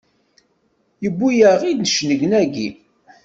Yewwi-yaɣ-iid cennegnagi!